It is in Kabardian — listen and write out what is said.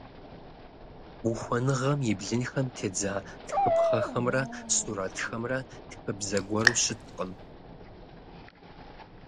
Ухуэныгъэм и блынхэм тедза тхыпхъэхэмрэ сурэтхэмрэ тхыбзэ гуэру щыткъым.